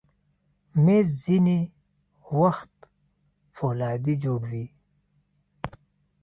مېز ځینې وخت فولادي جوړ وي.